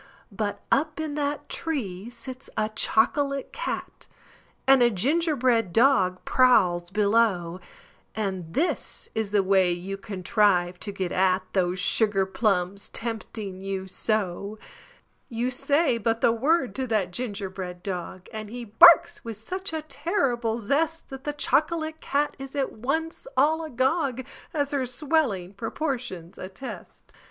But up in that tree sits a chocolate cat, And a ginger bread dog prowls below And this is the way you contrive to get at Those sugar plums tempting you so: You say but the word to that gingerbread dog And he barks with such a terrible zest That the chocolate cat is at once all agog, As her swelling proportions attest.